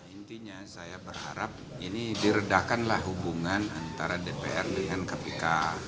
intinya saya berharap ini diredakanlah hubungan antara dpr dengan kpk